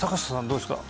どうですか？